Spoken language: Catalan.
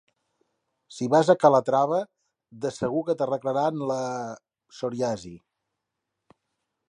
Si vas a Calatrava, de segur que t'arreglaran la... psoriasi.